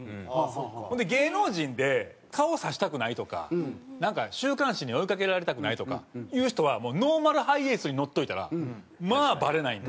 ほんで芸能人で顔さしたくないとか週刊誌に追いかけられたくないとかいう人はもうノーマルハイエースに乗っといたらまあバレないんで。